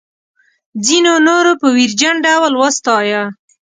ځینو نورو په ویرجن ډول وستایه.